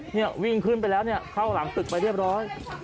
เนี่ยวิ่งขึ้นไปแล้วเนี่ยเข้าหลังตึกไปเรียบร้อย